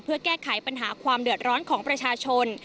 เพื่อแก้ไขปัญหาความเดือดร้อนของประชาชน